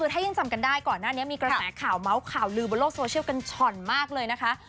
ถ้ายังจำกันได้ก่อนหน้านี้มีกระแสข่าวเมาส์ข่าวลือบนโลกโซเชียลกันช่อนมากเลยนะคะ